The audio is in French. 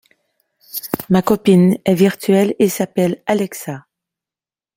Ma copine est virtuelle et s'appelle Alexa.